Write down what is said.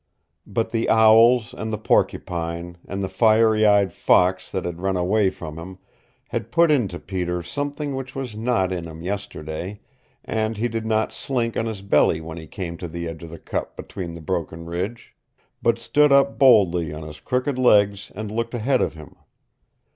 But the owls, and the porcupine, and the fiery eyed fox that had run away from him, had put into Peter something which was not in him yesterday, and he did not slink on his belly when he came to the edge of the cup between the broken ridge, but stood up boldly on his crooked legs and looked ahead of him.